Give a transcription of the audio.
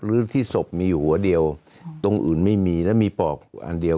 หรือที่ศพมีอยู่หัวเดียวตรงอื่นไม่มีแล้วมีปอกอันเดียว